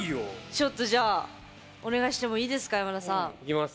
ちょっとじゃあお願いしてもいいですか山田さん。いきます